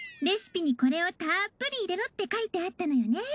レシピにこれをたっぷり入れろって書いてあったのよね。